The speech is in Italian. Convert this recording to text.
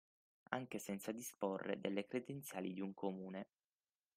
Anche senza disporre delle credenziali di un comune.